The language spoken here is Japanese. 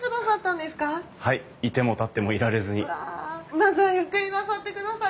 まずはゆっくりなさってください！